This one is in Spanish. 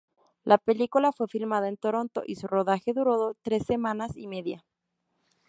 La película fue filmada en Toronto y su rodaje duró tres semanas y media.